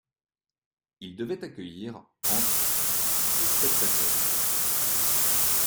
Il devait accueillir entre et spectateurs.